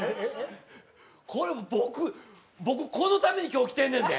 これ、僕、このために今日来てんねんで！？